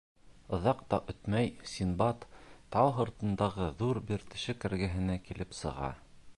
Оҙаҡ та үтмәй Синдбад тау һыртындағы ҙур бер тишек эргәһенә килеп сыға.